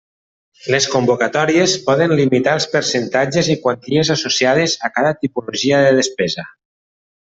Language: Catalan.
Les convocatòries poden limitar els percentatges i quanties associades a cada tipologia de despesa.